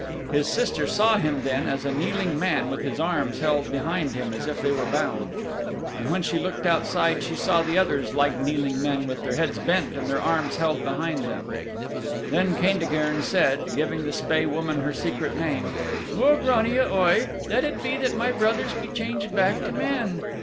His sister saw him then as a kneeling man with this arms held behind him as if they were bound. And when she looked outside she saw the others like kneeling men with their heads bent and their arms held behind them. Then Caintigern said, giving the Spae Woman her secret name, "O Grania Oi, let it be that my brothers be changed back to men!"